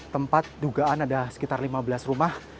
tempat dugaan ada sekitar lima belas rumah